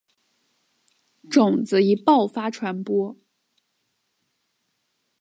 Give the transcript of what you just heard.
种子以爆发传播。